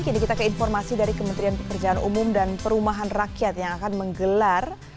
kini kita ke informasi dari kementerian pekerjaan umum dan perumahan rakyat yang akan menggelar